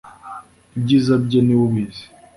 ibyiza bye niwe ubizi.